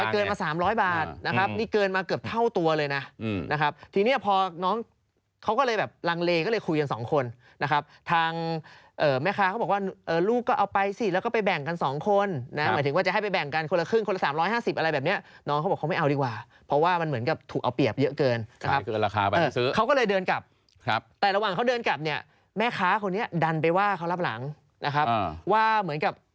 เกินมา๓๐๐บาทนะครับนี่เกินมาเกือบเท่าตัวเลยนะนะครับทีนี้พอน้องเขาก็เลยแบบลังเลก็เลยคุยกัน๒คนนะครับทางแม่ค้าเขาบอกว่าลูกก็เอาไปสิแล้วก็ไปแบ่งกัน๒คนนะหมายถึงว่าจะให้ไปแบ่งกันคนละครึ่งคนละ๓๕๐อะไรแบบเนี่ยน้องเขาบอกเขาไม่เอาดีกว่าเพราะว่ามันเหมือนกับถูกเอาเปรียบเยอะเกินนะครับเขาก็เลยเดินกลับ